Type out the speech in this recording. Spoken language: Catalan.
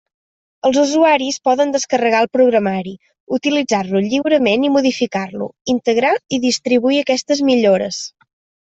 Els usuaris poden descarregar el programari, utilitzar-lo lliurement i modificar-lo, integrar i distribuir aquestes millores.